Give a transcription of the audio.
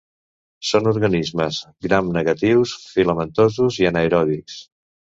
Són organismes gramnegatius filamentosos i anaeròbics.